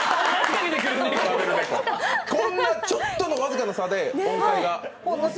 こんなちょっとの僅かな差で音階が。